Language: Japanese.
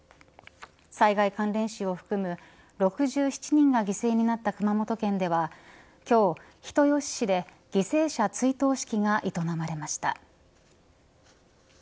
災害関連死を含む６７人が犠牲になった熊本県では今日、人吉市で犠牲者追悼式が営まれました。